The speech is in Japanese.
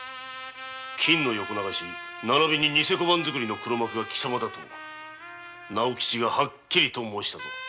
「金の横流しとニセ小判作りの黒幕はキサマだ」と直吉がはっきり申したぞ。